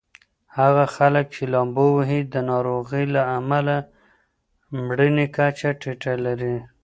هغه خلک چې لامبو وهي د ناروغۍ له امله مړینې کچه ټیټه لري.